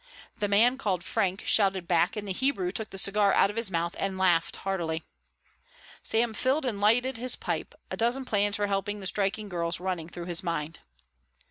The man called Frank shouted back and the Hebrew took the cigar out of his mouth and laughed heartily. Sam filled and lighted his pipe, a dozen plans for helping the striking girls running through his mind.